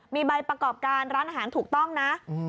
มีใบประกอบการร้านอาหารถูกต้องนะ